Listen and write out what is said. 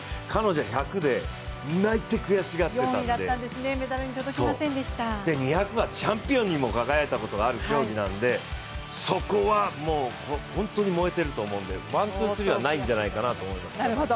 彼女は１００で泣いて２００はチャンピオンにも輝いた競技なのでそこは本当に燃えてると思うんでワン・ツー・スリーはないんじゃないかなと思いますけど。